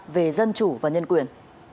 về dân chủ và nhân quyền